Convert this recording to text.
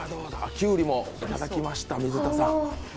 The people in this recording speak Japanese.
きゅうりもいただきました、水田さん。